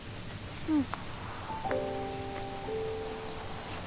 うん。